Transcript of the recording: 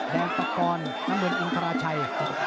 แดงปากรน้ำเงินอินทราชัย